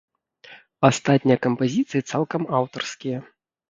Астатнія кампазіцыі цалкам аўтарскія.